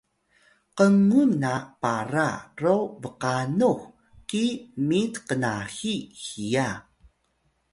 kngun na para ro bqanux ki mit qnahi hiya